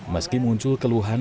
meski muncul keluhan